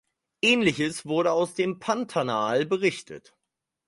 Ähnliches wurde aus dem Pantanal berichtet.